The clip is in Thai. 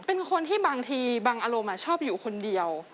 เป็นคนที่บางทีบางอารมณ์ชอบอยู่คนเดียว